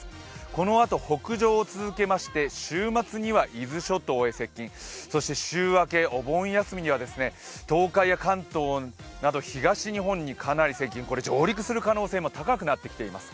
このあと北上を続けて週末には伊豆諸島へ接近、そして週明け、お盆休みには東海や関東など東日本にかなり接近、上陸する可能性も高くなっています。